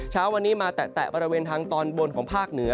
เช้าวันนี้มาแตะบริเวณทางตอนบนของภาคเหนือ